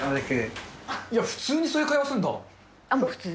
いや、普通にそういう会話すあ、もう普通。